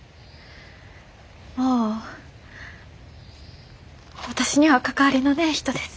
もう私には関わりのねえ人です。